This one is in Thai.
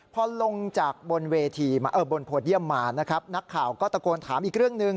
พอลงจากบนพวดเยี่ยมมานักข่าวก็ตะโกนถามอีกเรื่องหนึ่ง